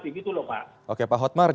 lebih baik mencegah daripada mengobati